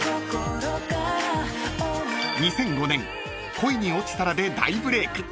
［２００５年『恋におちたら』で大ブレイク］